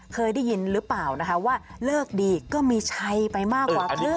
เคยได้ยินหรือเปล่านะคะว่าเลิกดีก็มีชัยไปมากกว่าครึ่ง